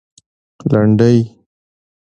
لنډۍ